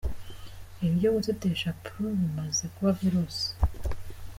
Ibi byo gutetesha Apr bimaze kuba virus.